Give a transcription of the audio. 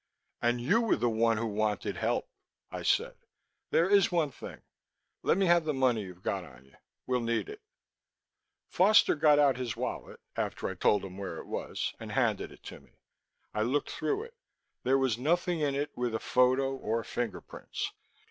"And you were the one who wanted help," I said. "There is one thing; let me have the money you've got on you; we'll need it." Foster got out his wallet after I told him where it was and handed it to me. I looked through it; there was nothing in it with a photo or fingerprints.